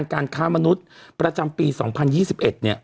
การค้ามนุษย์ประจำปี๒๐๒๑เนี่ย